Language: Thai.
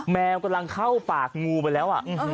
แมวกำลังเข้าปากงูไปแล้ว